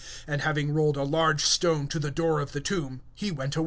And having rolled a great stone to the door of the tomb, he departed.